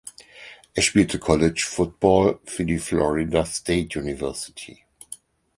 Er spielte College Football für die Florida State University.